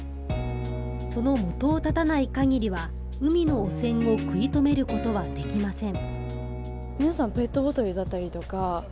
その元を絶たない限りは、海の汚染を食い止めることはできません。